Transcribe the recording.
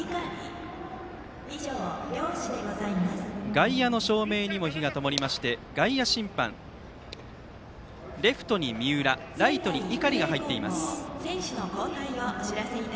外野の照明にも灯がともりまして外野審判、レフトに三浦ライトに井狩が入っています。